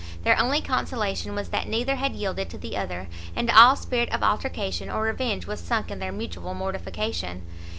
Their only consolation was that neither had yielded to the other, and all spirit of altercation or revenge was sunk in their mutual mortification.